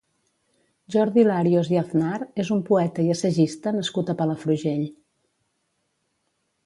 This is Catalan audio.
Jordi Larios i Aznar és un poeta i assagista nascut a Palafrugell.